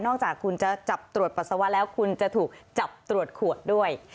จากคุณจะจับตรวจปัสสาวะแล้วคุณจะถูกจับตรวจขวดด้วย